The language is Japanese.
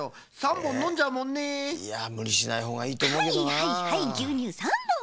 はいはいはいぎゅうにゅう３ぼん。